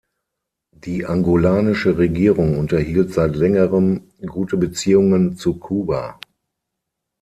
Die angolanische Regierung unterhielt seit längerem gute Beziehungen zu Kuba.